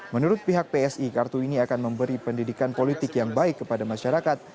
menurut pihak psi kartu ini akan memberi pendidikan politik yang baik kepada masyarakat